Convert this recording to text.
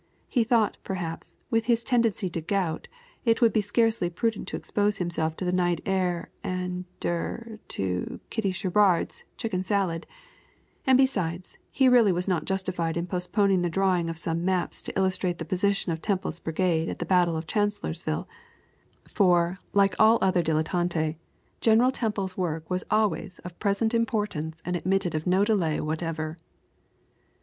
He thought, perhaps, with his tendency to gout, it would scarcely be prudent to expose himself to the night air, and er to Kitty Sherrard's chicken salad; and, besides, he really was not justified in postponing the drawings of some maps to illustrate the position of Temple's Brigade at the battle of Chancellorsville; for, like all other dilettanti, General Temple's work was always of present importance and admitted of no delay whatever.